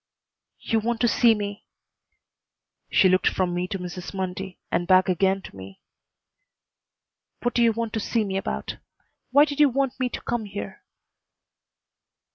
"You want to see me?" She looked from me to Mrs. Mundy and back again to me. "What do you want to see me about? Why did you want me to come here?"